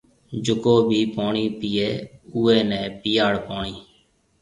جڪو ڀِي پوڻِي پِئي اُوئي نَي پِياڙ پوڻِي۔